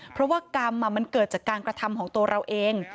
เพราะว่ากรรมมันเกิดจากการกระทำของตัวเราเอง